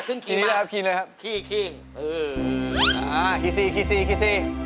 ขึ้นคีเลยครับคี่คี่คี่คี่คี่